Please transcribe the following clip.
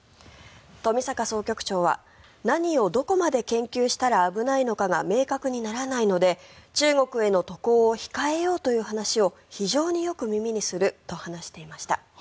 冨坂総局長は何をどこまで研究したら危ないのかが明確にならないので中国への渡航を控えようという話を非常によく耳にすると話していました。